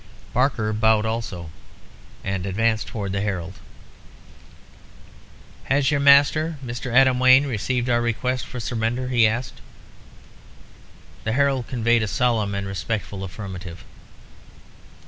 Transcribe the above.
Barker bowed also, and advanced towards the herald. "Has your master, Mr. Adam Wayne, received our request for surrender?" he asked. The herald conveyed a solemn and respectful affirmative.